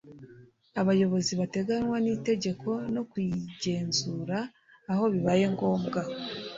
abayobozi bateganywa n'itegeko no kuyigenzura aho bibaye ngombwa